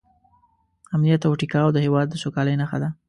امنیت او ټیکاو د هېواد د سوکالۍ نښه ده.